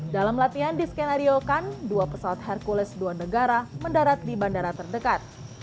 dalam latihan diskenariokan dua pesawat hercules dua negara mendarat di bandara terdekat